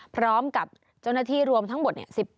พร้อมกับเจ้าหน้าที่รวมทั้งหมด